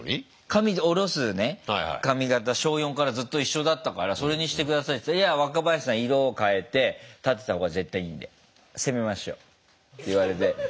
髪下ろすね髪形小４からずっと一緒だったからそれにして下さいって言ったら「いや若林さん色を変えて立てた方が絶対いいんで攻めましょう」って言われて。